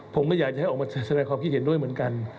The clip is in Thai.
ผมก็อยากอยากยาชอบแสดงความคิดเห็นด้วยเหมือนกัน